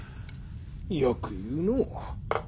よく言うのう。